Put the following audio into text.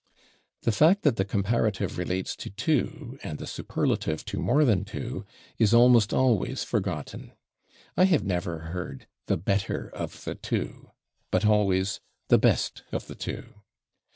The fact that the comparative relates to two and the superlative to more than two is almost always forgotten. I have never heard "the /better/ of the two," but always "the /best/ of the two."